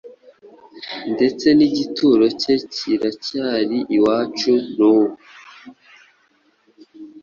ndetse n’igituro cye kiracyari iwacu n’ubu.